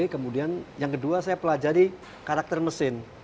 kemudian yang kedua saya pelajari karakter mesin